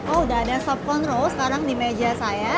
oh udah ada sobkondro sekarang di meja saya